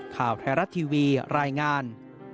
ข่าวไทยรัฐทีวีรายงาน